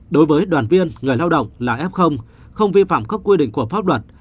đối với đoàn viên người lao động là f không vi phạm các quy định của pháp luật